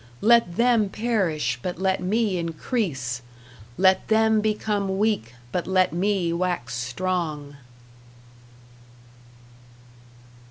Let them perish, but let me increase! Let them become weak, but let me wax strong!